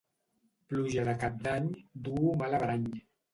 Pluja de Cap d'Any duu mal averany.